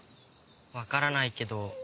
わからないけど。